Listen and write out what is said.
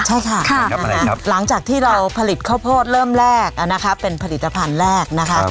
ใช่ค่ะหลังจากที่เราผลิตข้าวโพดเริ่มแรกนะคะเป็นผลิตภัณฑ์แรกนะคะ